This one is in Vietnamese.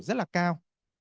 rất là cao